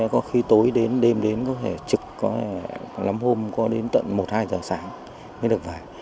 có khi tối đến đêm đến có thể trực có lắm hôm có đến tận một hai giờ sáng mới được phải